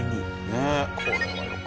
ねっ。